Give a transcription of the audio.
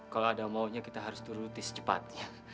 kalau ada maunya kita harus turutis cepat